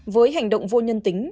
với hành động vô nhân tính